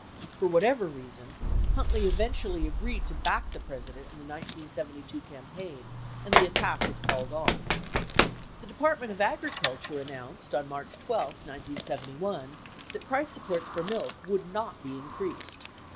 For whatever reason, Huntley eventually agreed to back the President in the 1972 campaign and the attack was called off. 80 The Department of Agriculture announced, on March 12, 1971, that price supports for milk would not be increased.